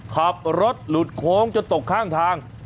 ขับรถหลุดโค้งจนตกข้างทาง